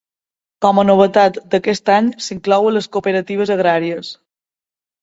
Com a novetat d'aquest any, s'inclouen les cooperatives agràries.